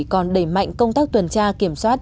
còn đẩy mạnh công tác tuần tra kiểm soát